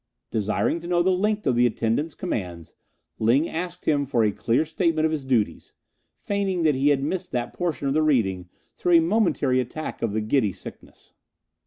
Desiring to know the length of the attendant's commands, Ling asked him for a clear statement of his duties, feigning that he had missed that portion of the reading through a momentary attack of the giddy sickness.